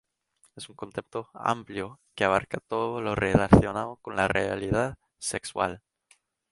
Es un concepto amplio que abarca todo lo relacionado con la realidad sexual.